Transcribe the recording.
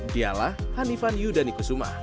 dialah hanifan yudhanikusuma